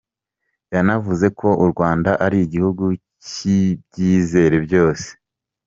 Yanavuze ko u Rwanda ari igihugu cy’ibyizere byose.